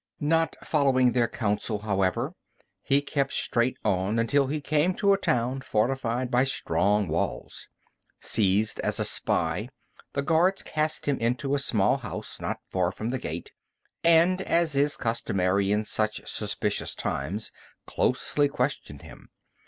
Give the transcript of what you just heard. Not following their counsel, however, he kept straight on until he came to a town fortified by strong walls. Seized as a spy, the guards cast him into a small house not far from the gate, and, as is customary in such suspicious times, closely questioned him.